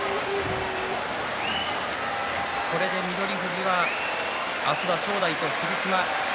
これで翠富士は明日は正代と。